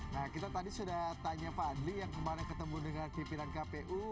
nah kita tadi sudah tanya pak adli yang kemarin ketemu dengan ppr dan kpu